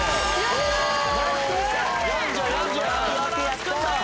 やったー！